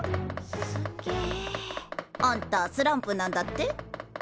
すんげえ。あんたスランプなんだって？